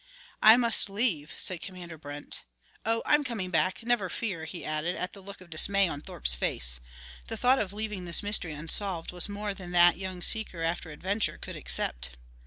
"I must leave," said Commander Brent. "Oh, I'm coming back, never fear," he added, at the look of dismay on Thorpe's face. The thought of leaving this mystery unsolved was more than that young seeker after adventure could accept.